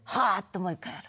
もう一回やる。